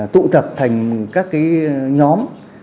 tụ tập thành các nhóm